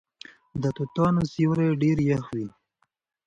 د توتانو سیوری ډیر یخ وي.